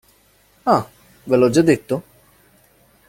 Ah, ve l'ho già detto?